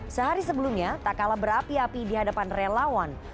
sehari sebelumnya tak kalah berapi api di hadapan relawan